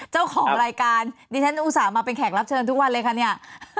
เจ้าของรายการดิฉันอุตส่าห์มาเป็นแขกรับเชิญทุกวันเลยค่ะเนี่ย